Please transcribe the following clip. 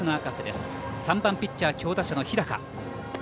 ３番ピッチャー強打者の日高。